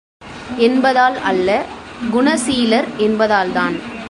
என்பதால் அல்ல குணசீலர் என்பதால்தான்.